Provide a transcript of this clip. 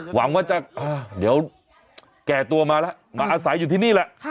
หวังว่าจะเดี๋ยวแก่ตัวมาแล้วมาอาศัยอยู่ที่นี่แหละ